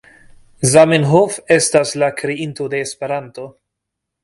Zamenhof estas la kreinto de Esperanto.